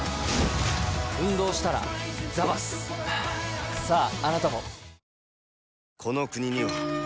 ああなたも。